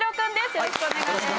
よろしくお願いします。